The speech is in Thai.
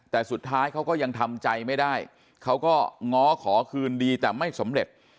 แต่สุดท้ายเขาก็ยังทำใจไม่ได้เขาก็ง้อขอคืนดีแต่ไม่สำเร็จ